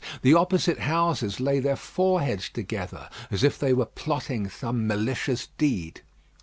The opposite houses lay their foreheads together as if they were plotting some malicious deed.